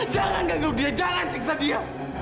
jangan kagum dia jangan siksa dia